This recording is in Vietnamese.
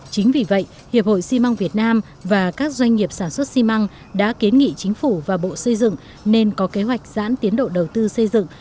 chính vì vậy hiệp hội xi măng việt nam và các doanh nghiệp sản xuất xi măng đã kiến nghị chính phủ và bộ xây dựng nên có kế hoạch giãn tiến độ đầu tư xây dựng